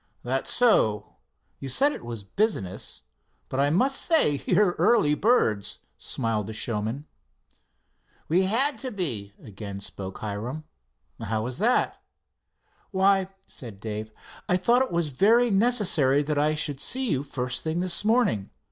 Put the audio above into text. "That's so you said it was business, but I must say you are early birds," smiled the showman. "We had to be," again spoke Hiram. "How was that?" "Why," said Dave, "I thought it was very necessary that I should see you first thing this morning.